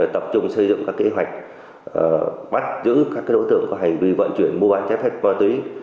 tập trung xây dựng các kế hoạch bắt giữ các đối tượng có hành vi vận chuyển mua bán chếp ma túy